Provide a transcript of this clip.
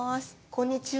こんにちは。